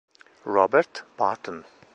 Robert Burton